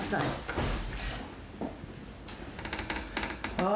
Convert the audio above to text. ああ。